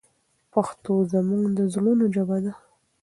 پښتو زموږ د زړونو ژبه ده.